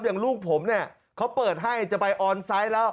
ลูกผมเนี่ยเขาเปิดให้จะไปออนไซต์แล้ว